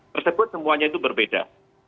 tersebut semuanya itu berbeda